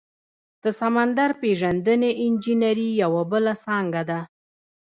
د سمندر پیژندنې انجنیری یوه بله څانګه ده.